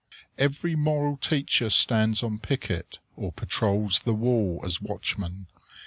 Every moral teacher stands on picket, or patrols the wall as watchman.